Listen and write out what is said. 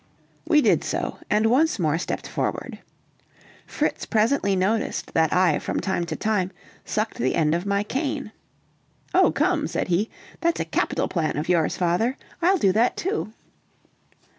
We did so, and once more stepped forward. Fritz presently noticed that I from time to time sucked the end of my cane. "Oh, come," said he, "that's a capital plan of yours, father, I'll do that too."